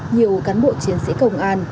nhiều cán bộ chiến sĩ công an